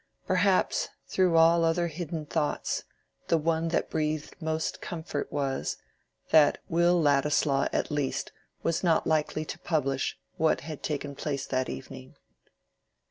Perhaps, through all other hidden thoughts, the one that breathed most comfort was, that Will Ladislaw at least was not likely to publish what had taken place that evening.